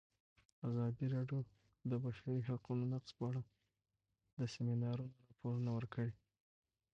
ازادي راډیو د د بشري حقونو نقض په اړه د سیمینارونو راپورونه ورکړي.